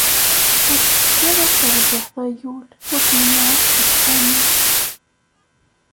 Ur teččiḍ ur terbiḥeḍ, ay ul, ur tmenεeḍ seg ccḥani.